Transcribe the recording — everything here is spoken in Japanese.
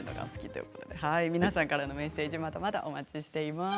皆さんからのメッセージまだまだお待ちしています。